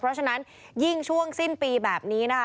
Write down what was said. เพราะฉะนั้นยิ่งช่วงสิ้นปีแบบนี้นะคะ